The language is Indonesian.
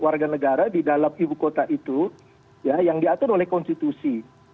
belum lagi kita bicara tentang hak hak warga negara di dalam ibu kota itu ya yang diatur oleh konstitusi